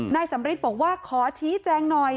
นายสำริทบอกว่าขอชี้แจงหน่อย